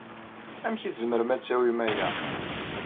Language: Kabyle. Amek ay tzemrem ad tawyem aya?